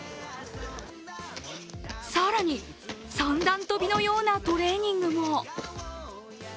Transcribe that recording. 更に、三段跳びのようなトレーニングも。